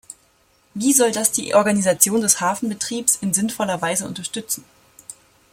Wie soll das die Organisation des Hafenbetriebs in sinnvoller Weise unterstützen?